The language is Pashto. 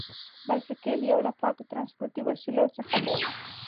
بایسکل یو له پاکو ترانسپورتي وسیلو څخه دی.